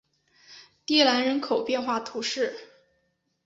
蒂兰人口变化图示